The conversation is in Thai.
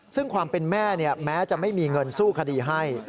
ซึ่งความเป็นแม่แม้จะไม่มีเงินสู้คดีให้